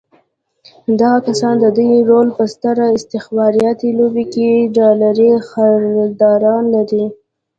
دغه کسان د دې رول په ستره استخباراتي لوبه کې ډالري خریداران لري.